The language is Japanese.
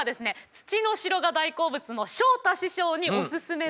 土の城が大好物の昇太師匠におススメの。